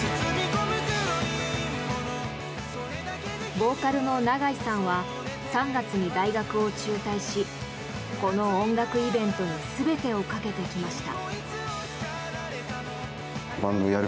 ボーカルのナガイさんは３月に大学を中退しこの音楽イベントに全てをかけてきました。